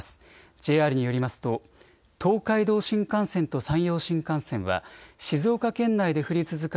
ＪＲによりますと東海道新幹線と山陽新幹線は静岡県内で降り続く